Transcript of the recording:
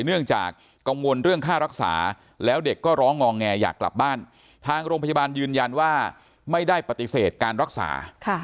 เนื่องจากกังวลเรื่องค่ารักษาแล้วเด็กก็ร้องงอแงอยากกลับบ้านทางโรงพยาบาลยืนยันว่าไม่ได้ปฏิเสธการรักษา